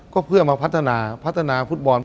ก็เพื่อมาพัฒนาพัฒนาฟุตบอล